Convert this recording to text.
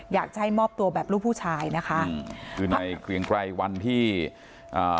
อยากจะให้มอบตัวแบบลูกผู้ชายนะคะอืมคือในเกรียงไกรวันที่อ่า